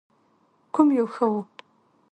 کوم یو ښه و؟